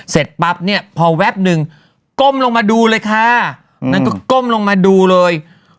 เสร็จปั๊บเนี่ยพอแวบหนึ่งก้มลงมาดูเลยค่ะนั่นก็ก้มลงมาดูเลย